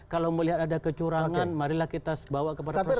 kalau melihat ada kecurangan marilah kita bawa kepada proses